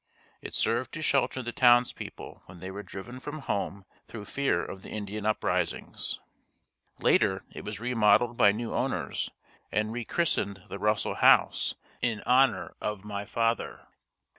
It served to shelter the townspeople when they were driven from home through fear of the Indian uprisings. Later it was remodeled by new owners and rechristened the Russell House in honor of my father.